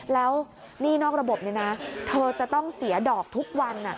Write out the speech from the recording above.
แล้วหนี้นอกระบบเธอจะต้องเสียดอกทุกวัน